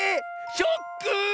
ショック！